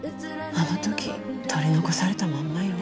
あの時取り残されたまんまよ。